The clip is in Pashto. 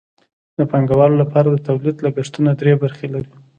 د پانګوالو لپاره د تولید لګښتونه درې برخې لري